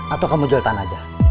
atau kamu jual tanah aja